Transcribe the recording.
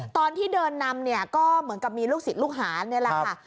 ตอนที่เดินนำเนี่ยก็เหมือนกับมีลูกศิษย์ลูกหานี่แหละค่ะ